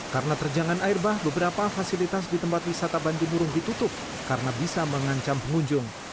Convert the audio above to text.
karena terjangan airbah beberapa fasilitas di tempat wisata bantimurung ditutup karena bisa mengancam pengunjung